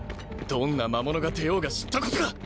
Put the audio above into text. どんな魔物が出ようが知ったことか！